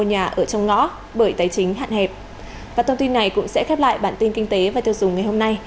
hãy đăng ký kênh để nhận thông tin nhất